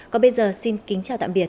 còn bây giờ xin kính chào tạm biệt